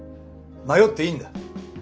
迷っていいんだ。